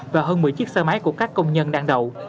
và hơn một mươi chiếc xe máy của các công nhân đang đậu